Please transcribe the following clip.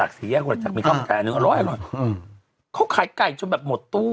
เขาขายแดบลำไก่จนหมดตู้